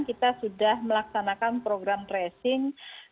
kita sudah melaksanakan program tracing